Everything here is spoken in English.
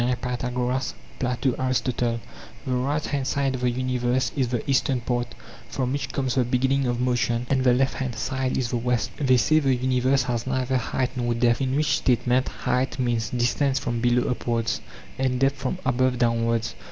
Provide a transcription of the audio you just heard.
Pythagoras, Plato, Aristotle: The right hand side of the universe is the eastern part from which comes the beginning of motion, and the left hand side is the west. They say the universe has neither height nor depth, in which statement height means distance from below upwards, and depth from above downwards.